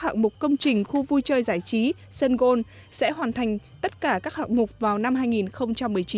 hạng mục công trình khu vui chơi giải trí sân gôn sẽ hoàn thành tất cả các hạng mục vào năm hai nghìn một mươi chín